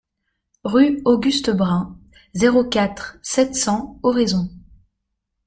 Rue Auguste Brun, zéro quatre, sept cents Oraison